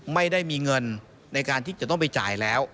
ไม่ได้มีเงินในการที่จะต้องไปจ่ายแล้ว